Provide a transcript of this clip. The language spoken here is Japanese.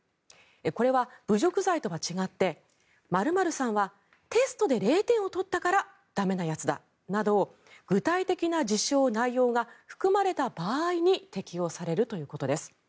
これは侮辱罪とは違って○○さんはテストで０点を取ったから駄目なやつだなど具体的な事象・内容が含まれた場合に適用されるということです。